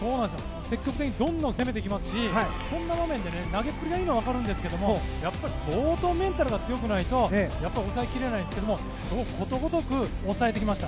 積極的にどんどん攻めてきますしこんな場面で投げたくないのは分かるんですがやっぱり相当メンタルが強くないと抑えきれないんですけれどもことごとく抑えてきました。